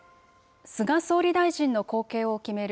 菅総理大臣の後継を決める